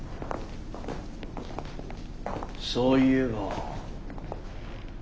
そういえば。